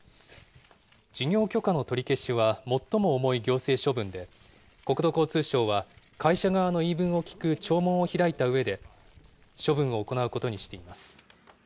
事業許可の取り消しは最も重い行政処分で、国土交通省は、会社側の言い分を聞く聴聞を開いたうえで、処分を行うことにしています。